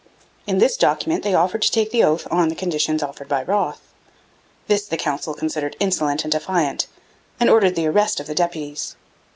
In this document they offered to take the oath on the conditions offered by Wroth. This the Council considered 'insolent and defiant,' and ordered the arrest of the deputies.